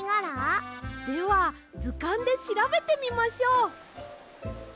ではずかんでしらべてみましょう。